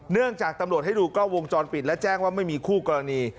เนื่องจากตำรวจให้ดูกล้องวงจรปิดและแจ้งว่าไม่มีคู่กรณี